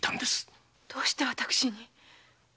どうして私に。